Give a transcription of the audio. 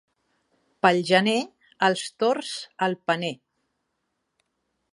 Pel gener, els tords al paner.